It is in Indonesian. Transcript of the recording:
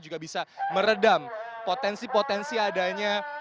juga bisa meredam potensi potensi adanya